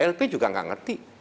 lp juga gak ngerti